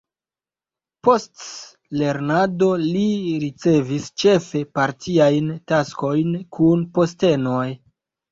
Post lernado li ricevis ĉefe partiajn taskojn kun postenoj.